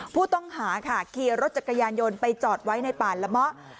ผู้ต้องหาค่ะขี่รถจักรยานยนต์ไปจอดไว้ในป่าละเมาะ